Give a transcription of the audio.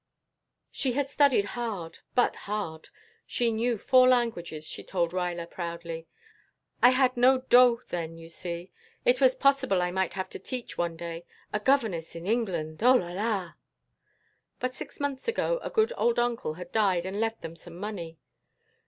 She had studied hard but hard! She knew four languages, she told Ruyler proudly. "I had no dot then, you see. It was possible I might have to teach one day. A governess in England, Oh, là! là!" But six months ago a good old uncle had died and left them some money.